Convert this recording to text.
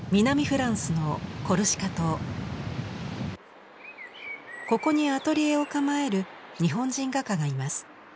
フランスのここにアトリエを構える日本人画家がいます。